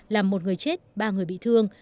làm một người chết ba người bị thương